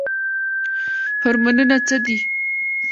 هورمونونه څه دي؟